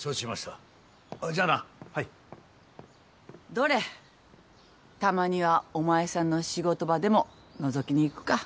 どれたまにはお前さんの仕事場でものぞきに行くか。